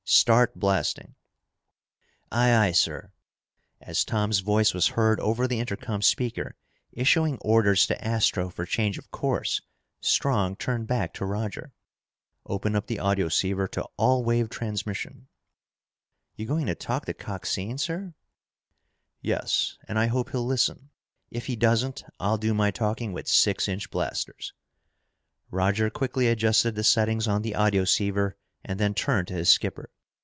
Start blasting!" "Aye, aye, sir!" As Tom's voice was heard over the intercom speaker, issuing orders to Astro for change of course, Strong turned back to Roger. "Open up the audioceiver to all wave transmission!" "You going to talk to Coxine, sir?" "Yes. And I hope he'll listen. If he doesn't, I'll do my talking with six inch blasters!" Roger quickly adjusted the settings on the audioceiver and then turned to his skipper.